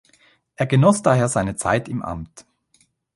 Er genoss daher seine Zeit im Amt.